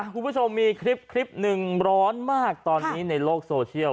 คุณผู้ชมมีคลิปหนึ่งร้อนมากตอนนี้ในโลกโซเชียล